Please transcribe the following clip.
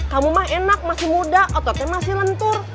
kamu mah enak masih muda ototnya masih lentur